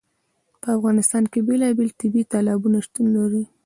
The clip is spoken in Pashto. په افغانستان کې بېلابېل طبیعي تالابونه شتون لري.